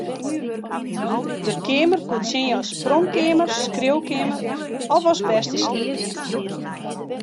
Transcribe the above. Der keamer koe tsjinje as pronkkeamer, skriuwkeamer of as bêste sliepkeamer.